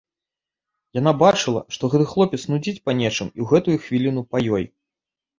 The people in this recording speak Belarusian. Яна бачыла, што гэты хлапец нудзіць па нечым і ў гэтую хвіліну па ёй.